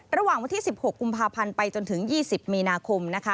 ระหว่างวันที่๑๖กุมภาพันธ์ไปจนถึง๒๐มีนาคมนะคะ